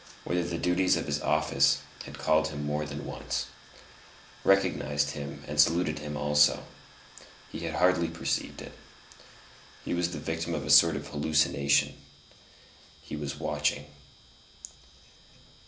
whither the duties of his office had called him more than once, recognized him and saluted him also: he had hardly perceived it; he was the victim of a sort of hallucination; he was watching.